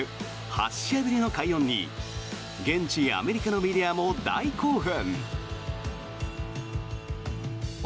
８試合ぶりの快音に現地アメリカのメディアも大興奮。